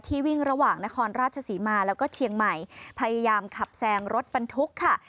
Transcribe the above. วิ่งระหว่างนครราชศรีมาแล้วก็เชียงใหม่พยายามขับแซงรถบรรทุกค่ะ